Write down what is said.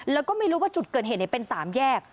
แล้วก็ไม่รู้ว่าจุดเกิดเหตุเป็น๓แยก